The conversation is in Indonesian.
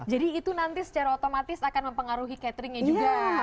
jadi itu nanti secara otomatis akan mempengaruhi cateringnya juga